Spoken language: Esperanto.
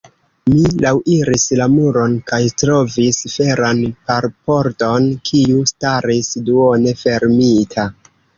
Mi laŭiris la muron kaj trovis feran barpordon, kiu staris duone fermita.